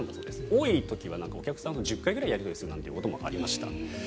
多い時はお客さんと１０回ぐらいやり取りするなんていうこともありました。